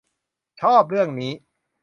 ชอบเรื่องนี้